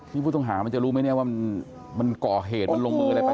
ผู้ต้องหามันจะรู้ไหมเนี่ยว่ามันก่อเหตุมันลงมืออะไรไป